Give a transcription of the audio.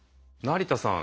成田さん